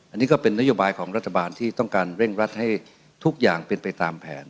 อันนี้ก็เป็นนโยบายของรัฐบาลที่ต้องการเร่งรัดให้ทุกอย่างเป็นไปตามแผน